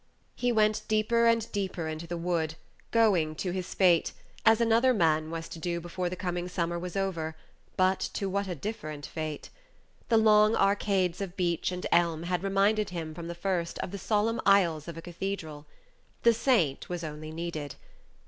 He went deeper and deeper into the wood, going to his fate, as another man was to do before the coming summer was over; but to what a different fate! The long arcades of beech and elm had reminded him from the first of the solemn aisles of a cathedral. The saint was only needed.